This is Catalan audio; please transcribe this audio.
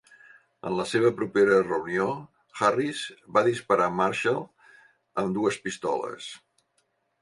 En la seva propera reunió, Harris va disparar Marshall amb dues pistoles.